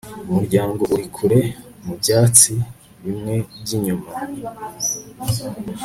Umuryango uri kure mubyatsi bimwe byinyuma